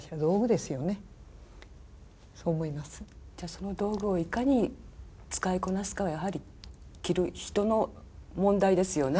その道具をいかに使いこなすかはやはり着る人の問題ですよね。